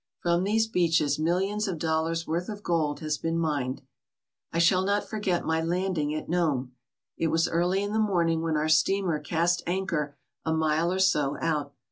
From these beaches millions of dollars' worth of gold has been mined. I shall not forget my landing at Nome. It was early in the morning when our steamer cast anchor a mile or so out.